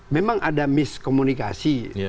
memang ada miskomunikasi